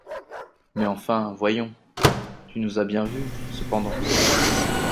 Mais enfin, voyons,… tu nous as bien vus, cependant.